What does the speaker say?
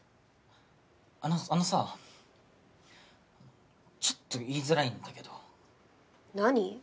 あのあのさちょっと言いづらいんだけど何？